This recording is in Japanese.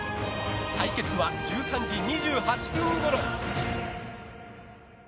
対決は１３時２８分ごろ！